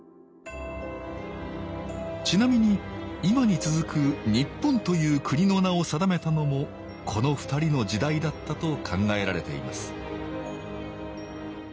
ちなみに今に続く「日本」という国の名を定めたのもこの２人の時代だったと考えられています